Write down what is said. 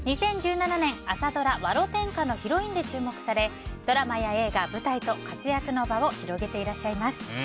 ２０１７年、朝ドラ「わろてんか」のヒロインで注目されドラマや映画、舞台と活躍の場を広げていらっしゃいます。